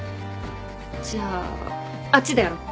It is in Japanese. じゃああっちでやろう。